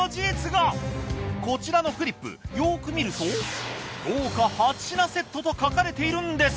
こちらのフリップよく見ると豪華８品セットと書かれているんです。